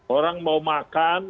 orang mau makan